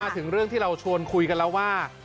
ถึงเรื่องที่เราชวนคุยกันแล้วว่า